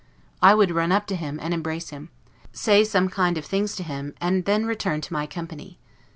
I would run up to him, and embrace him; say some kind of things to him, and then return to my company.